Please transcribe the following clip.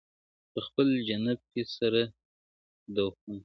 په خپل جنت کي سره دوخونه -